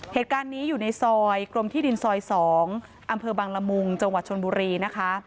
เหตุการณ์นี้อยู่ในซอยกรมที่ดินซอย๒อำเภอบังละมุงจังหวัดชนบุรีนะคะ